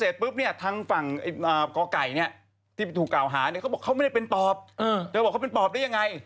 จะบอกเขาเป็นปอบได้ยังไง